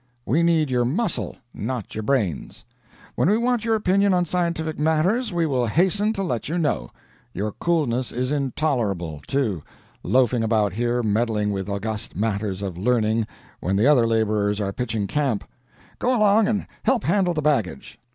We need your muscle, not your brains. When we want your opinion on scientific matters, we will hasten to let you know. Your coolness is intolerable, too loafing about here meddling with august matters of learning, when the other laborers are pitching camp. Go along and help handle the baggage."